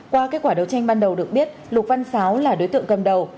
qua kết quả đấu tranh ban đầu được biết lục văn sáu là đối tượng cầm đầu